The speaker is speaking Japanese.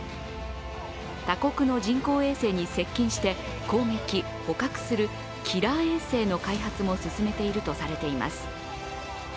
他国の人工衛星に接近して攻撃・捕獲するキラー衛星の開発も進めているとされています。